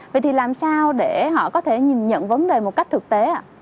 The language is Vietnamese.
vậy thì làm sao để họ có thể nhìn nhận vấn đề một cách thực tế ạ